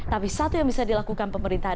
tapi satu yang bisa dilakukan pemerintah